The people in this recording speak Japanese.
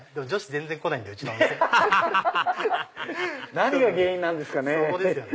何が原因なんですかね。